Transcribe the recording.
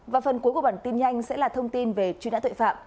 và phần cuối của bản tin nhanh sẽ là thông tin về chuyên án tuệ phạm